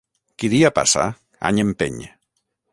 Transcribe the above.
Qui dia passa any empeny.